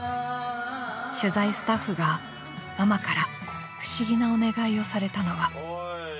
［取材スタッフがママから不思議なお願いをされたのは］